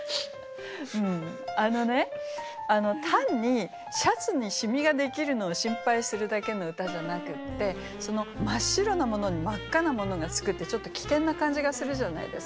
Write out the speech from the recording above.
あのね単にシャツに染みができるのを心配するだけの歌じゃなくて真っ白なものに真っ赤なものがつくってちょっと危険な感じがするじゃないですか。